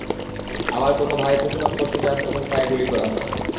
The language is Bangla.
আবার কোনো ভাই প্রতিবাদ করতে যান, তখন পায়ে গুলি করা হয়।